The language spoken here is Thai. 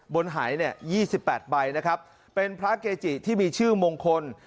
หายเนี่ย๒๘ใบนะครับเป็นพระเกจิที่มีชื่อมงคล